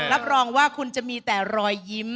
รับรองว่าคุณจะมีแต่รอยยิ้ม